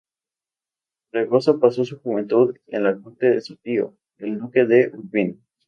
Fregoso pasó su juventud en la corte de su tío, el duque de Urbino.